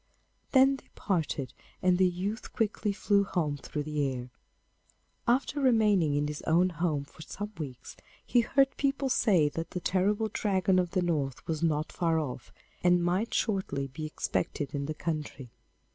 Then they parted, and the youth quickly flew home through the air. After remaining in his own home for some weeks, he heard people say that the terrible Dragon of the North was not far off, and might shortly be expected in the country.